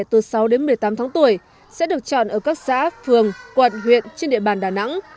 từ sáu đến một mươi tám tháng tuổi sẽ được chọn ở các xã phường quận huyện trên địa bàn đà nẵng